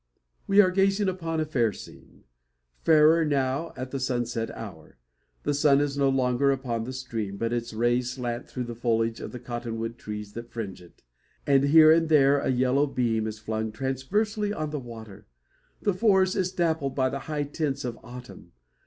We are gazing upon a fair scene: fairer now, at the sunset hour. The sun is no longer upon the stream, but his rays slant through the foliage of the cotton wood trees that fringe it, and here and there a yellow beam is flung transversely on the water. The forest is dappled by the high tints of autumn.